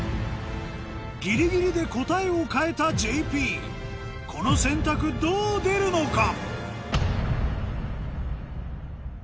ギリギリで答えを変えたＪＰこの選択どう出るのか？